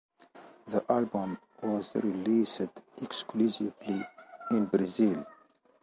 The album was released exclusively in Brazil.